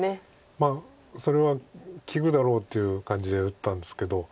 まあそれは利くだろうっていう感じで打ったんですけど。